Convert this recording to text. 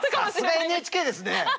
さすがＮＨＫですね。